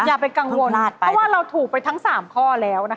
ถ้าว่าเราถูกไปทั้ง๓ข้อแล้ว